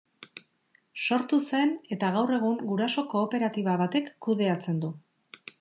Sortu zen eta gaur egun guraso-kooperatiba batek kudeatzen du.